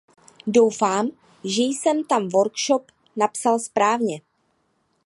Doufám, že jsem tam workshop napsal správně.